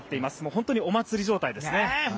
本当にお祭り状態ですね。